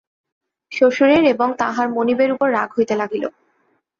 শ্বশুরের এবং তাঁহার মনিবের উপর রাগ হইতে লাগিল।